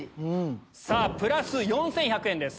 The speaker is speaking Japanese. さぁプラス４１００円です。